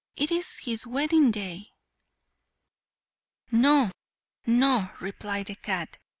"It is his wedding day." "No, no," replied the cat.